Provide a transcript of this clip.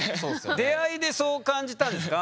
出会いでそう感じたんですか？